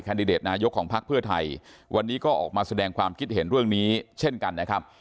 ดิเดตนายกของพักเพื่อไทยวันนี้ก็ออกมาแสดงความคิดเห็นเรื่องนี้เช่นกันนะครับ